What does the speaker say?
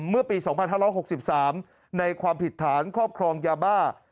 เมื่อปีสองพันห้าร้อยหกสิบสามในความผิดฐานครอบครองยาบ้า